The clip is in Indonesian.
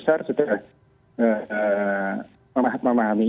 dan juga banyak yang saya sampaikan oleh pak ali